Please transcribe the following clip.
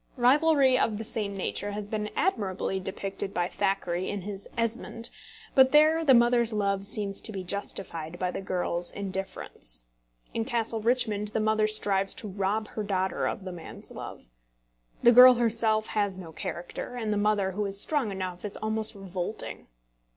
Rivalry of the same nature has been admirably depicted by Thackeray in his Esmond; but there the mother's love seems to be justified by the girl's indifference. In Castle Richmond the mother strives to rob her daughter of the man's love. The girl herself has no character; and the mother, who is strong enough, is almost revolting.